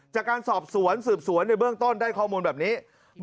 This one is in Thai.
จากการสอบสวนสืบสวนในเบื้องต้นได้ข้อมูลแบบนี้